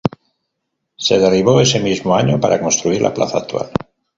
Se derribó ese mismo año para construir la plaza actual.